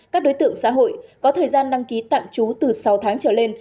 các đối tượng xã hội có thời gian đăng ký tạm trú từ sáu tháng trở lên